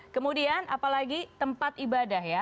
kemudian apalagi tempat ibadah ya